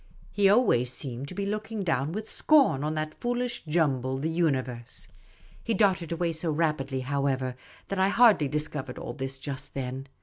He seemed always to be looking down with scorn on that foolish jumble, the uni verse. He darted away so rapidly, however, that I hardly discovered all this just then.